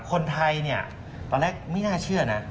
คนไทยตอนแรกไม่น่าเชื่อนะ